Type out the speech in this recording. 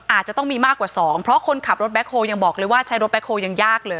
อาจจะต้องมีมากกว่า๒เพราะคนขับรถแบ็คโฮลยังบอกเลยว่าใช้รถแคลยังยากเลย